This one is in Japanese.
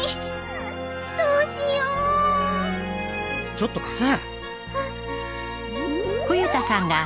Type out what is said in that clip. ちょっと貸せ。